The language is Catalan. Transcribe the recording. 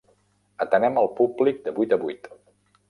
Atenem el públic de vuit a vuit.